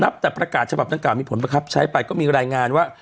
นับแต่ประกาศฉภาพนักการมีผลประคับใช้ไปก็มีรายงานว่า